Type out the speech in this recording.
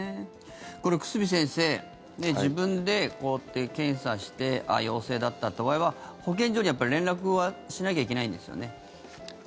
久住先生、自分でこうやって検査してあ、陽性だったっていう場合は保健所に連絡はしなきゃいけないんですよね。